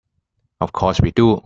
Of course we do.